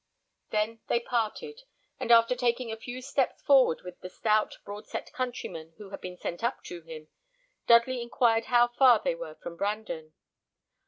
They then parted; and after taking a few steps forward with the stout, broad set countryman who had been sent up to him, Dudley inquired how far they were from Brandon.